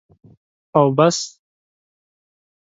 او بس.